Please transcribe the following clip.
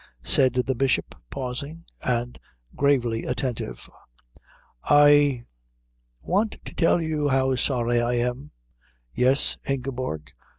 said the Bishop, pausing and gravely attentive. "I want to tell you how sorry I am." "Yes, Ingeborg?"